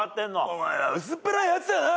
「お前は薄っぺらいやつだな」